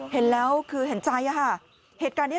เห็นแล้วคือเห็นใจค่ะเหตุการณ์นี้